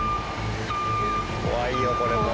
怖いよこれもう。